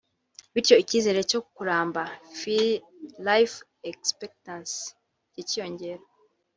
bityo icyizere cyo kuramba(life expectancy) kikiyongera